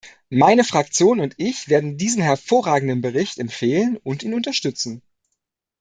Meine Fraktion und ich werden diesen hervorragenden Bericht empfehlen und ihn unterstützen.